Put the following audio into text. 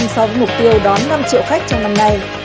sau mục tiêu đón năm triệu khách trong năm nay